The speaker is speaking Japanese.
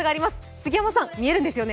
杉山さん、見えるんですよね？